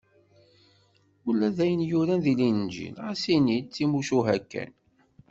Ula d ayen yuran deg Linǧil, ɣas ini d timucuha kan.